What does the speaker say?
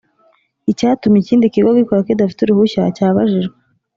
Icyatumye ikindi kigo gikora kidafite uruhushya cyabajijwe